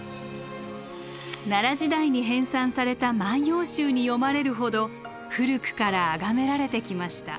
奈良時代に編さんされた「万葉集」に詠まれるほど古くからあがめられてきました。